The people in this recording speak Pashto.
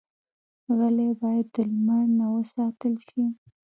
غلۍ باید د لمر نه وساتل شي.